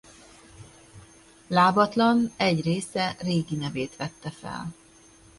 Lábatlan egy része régi nevét vette fel.